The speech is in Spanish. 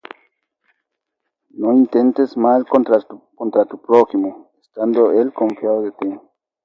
No intentes mal contra tu prójimo, Estando él confiado de ti.